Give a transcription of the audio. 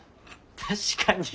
確かに。